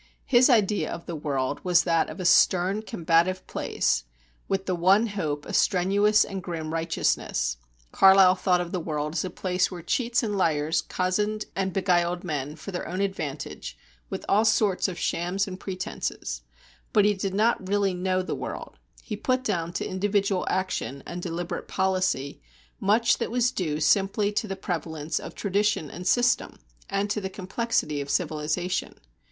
His idea of the world was that of a stern combative place, with the one hope a strenuous and grim righteousness; Carlyle thought of the world as a place where cheats and liars cozened and beguiled men, for their own advantage, with all sorts of shams and pretences: but he did not really know the world; he put down to individual action and deliberate policy much that was due simply to the prevalence of tradition and system, and to the complexity of civilisation.